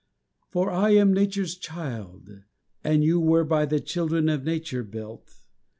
For I am Nature's child, and you Were by the children of Nature built.